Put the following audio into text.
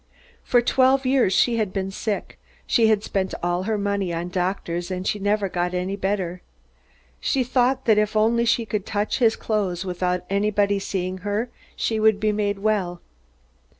For twelve years she had been sick. She had spent all her money on doctors, and she never got any better. She thought that if only she could touch his clothes, without anyone seeing her, she would be made well.